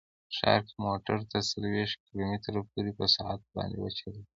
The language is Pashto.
ښار کې موټر تر څلوېښت کیلو متره پورې په ساعت باندې وچلوئ